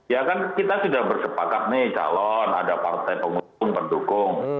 ya kan kita sudah bersepakat nih calon ada partai pengusung pendukung